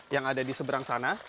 yang ada di seberang sana